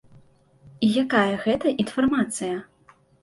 І якая гэта інфармацыя?